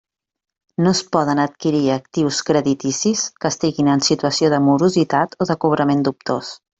No es poden adquirir actius crediticis que estiguin en situació de morositat o de cobrament dubtós.